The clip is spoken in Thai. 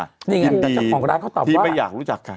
ยังงั้นเจ้าของร้านเขาตอบว่าที่ไม่อยากรู้จักค่ะ